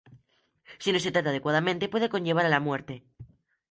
Si no se trata adecuadamente, puede conllevar a la muerte.